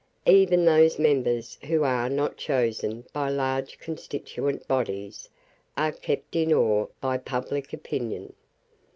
Even those members who are not chosen by large constituent bodies are kept in awe by public opinion.